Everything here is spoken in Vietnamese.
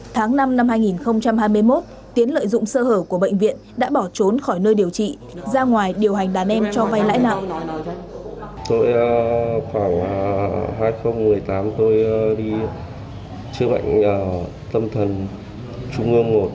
tháng năm năm hai nghìn hai mươi một tiến lợi dụng sơ hở của bệnh viện đã bỏ trốn khỏi nơi điều trị ra ngoài điều hành đàn em cho vay lãi nặng